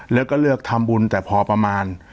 แล้วก็เลือกทำบุญแต่พอประมาณ